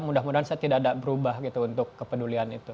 mudah mudahan saya tidak ada berubah gitu untuk kepedulian itu